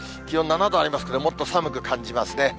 気温７度ありますけど、もっと寒く感じますね。